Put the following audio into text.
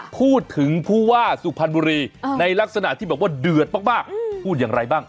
พูดถึงผู้ว่าสุพรรณบุรีในลักษณะที่บอกว่าเดือดมากพูดอย่างไรบ้าง